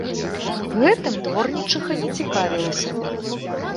Гэтым дворнічыха не цікавілася.